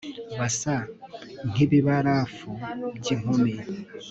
basa nkibibarafu byinkumi